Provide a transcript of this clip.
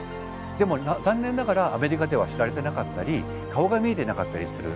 でも残念ながらアメリカでは知られてなかったり顔が見えてなかったりする。